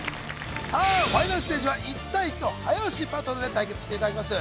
さあファイナルステージは１対１の早押しバトルで対決していただきます